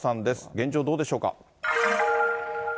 現状、どうでしょうか。